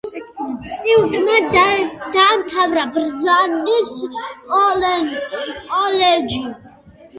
სტიუარტმა დაამთავრა ბარნარდის კოლეჯი.